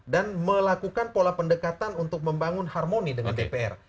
dan melakukan pola pendekatan untuk membangun harmoni dengan dpr